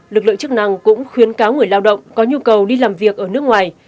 lực lượng chức năng cũng khuyến cáo người lao động có nhu cầu đi làm việc ở nước ngoài